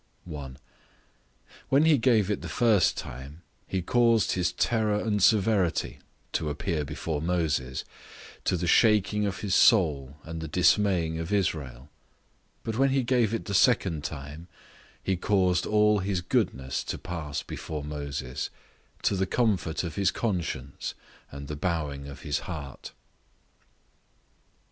1. When he gave it the first time, he caused his terror and severity to appear before Moses, to the shaking of his soul and the dismaying of Israel; but when he gave it the second time, he caused all his goodness to pass before Moses, to the comfort of his conscience and the bowing of his heart.